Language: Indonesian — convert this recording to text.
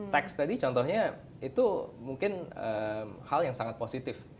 teks tadi contohnya itu mungkin hal yang sangat positif